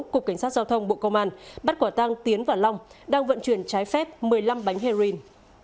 cục cảnh sát giao thông bộ công an bắt quả tăng tiến và long đang vận chuyển trái phép một mươi năm bánh heroin